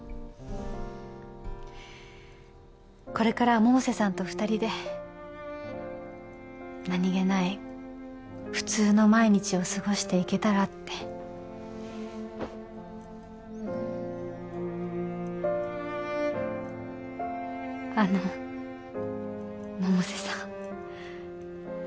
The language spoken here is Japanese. これから百瀬さんと２人で何気ない普通の毎日を過ごしていけたらってあの百瀬さん